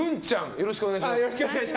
よろしくお願いします。